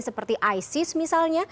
seperti isis misalnya